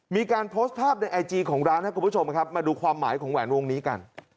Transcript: มีการโพสต์ภาพในไอจีของร้านมาดูความหมายของแหวนวงนี้กัน